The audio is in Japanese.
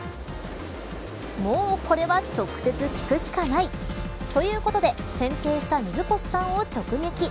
もうこれは、直接聞くしかない。ということで剪定した水越さんを直撃。